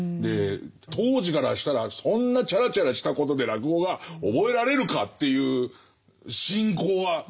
当時からしたらそんなチャラチャラしたことで落語が覚えられるかっていう「信仰」はありましたからね。